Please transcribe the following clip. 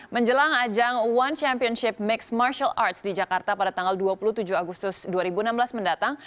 menjelang ajang one championship mixed martial arts di jakarta pada tanggal dua puluh tujuh agustus dua ribu enam belas mendatang